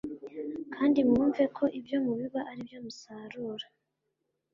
Kandi mwumve ko ibyo mubiba ari byo muzasarura